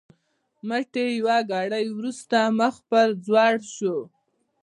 مټې یوه ګړۍ وروسته مخ پر ځوړو شو.